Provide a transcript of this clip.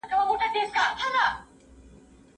سياسي قدرت د خلګو د ګټو لپاره کارول کيږي.